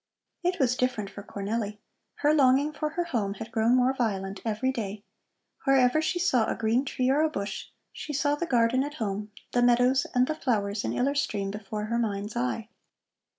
It was different for Cornelli. Her longing for her home had grown more violent every day. Wherever she saw a green tree or a bush, she saw the garden at home, the meadows, and the flowers in Iller Stream before her mind's eye.